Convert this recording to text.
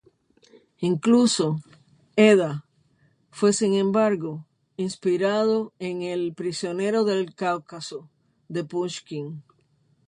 Incluso, "Eda", fue sin embargo, inspirado en el "Prisionero del Cáucaso" de Pushkin.